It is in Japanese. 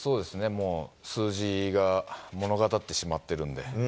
もう数字が物語ってしまっているんで。